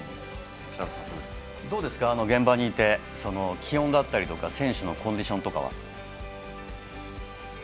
どうですか、現場にいて気温だったり選手のコンディションとかは。